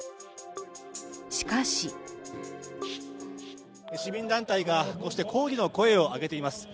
しかし市民団体がこうして抗議の声を上げています。